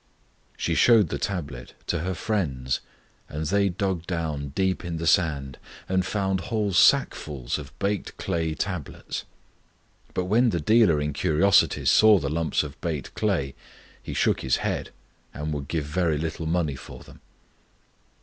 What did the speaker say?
She showed the tablet to her friends, and they dug down deep in the sand, and found whole sackfuls of baked clay tablets. But when the dealer in curiosities saw the lumps of baked clay he shook his head, and would give very little money for them.